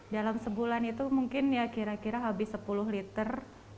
dalam sebulan itu mungkin ya kira kira habis sepuluh liter